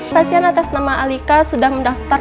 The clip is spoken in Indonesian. pasien atas nama alika sudah mendaftar